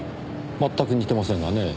全く似てませんがねぇ。